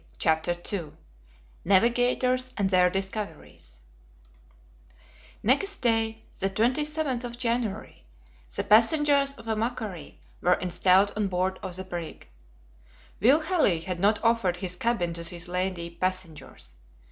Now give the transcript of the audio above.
CHAPTER II NAVIGATORS AND THEIR DISCOVERIES NEXT day, the 27th of January, the passengers of the MACQUARIE were installed on board the brig. Will Halley had not offered his cabin to his lady passengers.